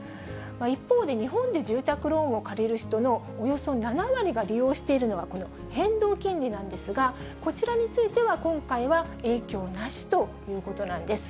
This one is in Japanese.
一方で日本で住宅ローンを借りる人のおよそ７割が利用しているのがこの変動金利なんですが、こちらについては、今回は影響なしということなんです。